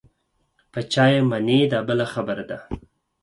په چا یې منې دا بله خبره ده.